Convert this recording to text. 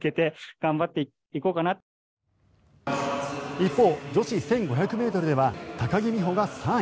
一方、女子１５００ｍでは高木美帆が３位。